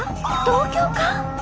東京か？